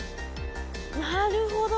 なるほど。